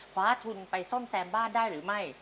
คว้าทุนไปซ่อมแซมบ้านได้หรือไม่